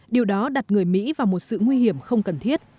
điều đó đặt người mỹ vào một sự nguy hiểm không cần thiết